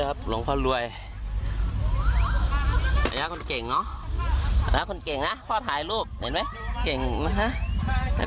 โดนหนีอยู่ตรงกลางนะครับขาติดนะฮะตอนนี้